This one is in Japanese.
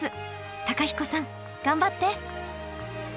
公彦さん頑張って！